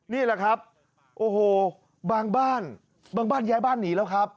นี่แหละครับโอ้โหบางบ้านบางบ้านย้ายบ้านหนีแล้วครับ